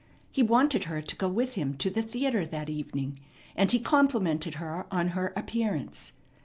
He wanted her to go with him to the theatre that evening, and he complimented her on her appearance.